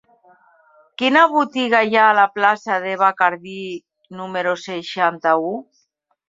Quina botiga hi ha a la plaça de Bacardí número seixanta-u?